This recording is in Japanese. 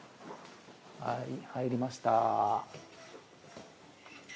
入りました。